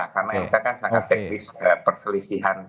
karena mk kan sangat teknis perselisihan